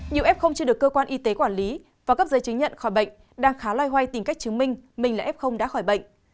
nhiều f chưa được cơ quan y tế quản lý và cấp giấy chứng nhận khỏi bệnh đang khá loay hoay tìm cách chứng minh mình là f đã khỏi bệnh